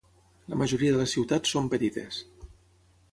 La majoria de les ciutats són petites.